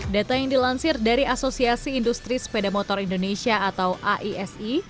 data yang dilansir dari asosiasi industri sepeda motor indonesia atau aisi